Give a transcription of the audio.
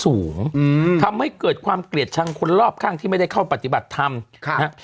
สูงอืมทำให้เกิดความเกลียดชังคนรอบข้างที่ไม่ได้เข้าปฏิบัติธรรมค่ะนะฮะ